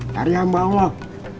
dari hamba allah